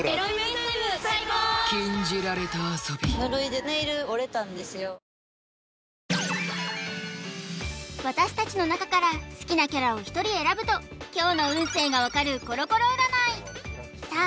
「ｄプログラム」私達の中から好きなキャラを１人選ぶと今日の運勢が分かるコロコロ占いさあ